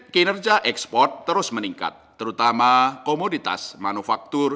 kinerja ekspor terus meningkat terutama komoditas manufaktur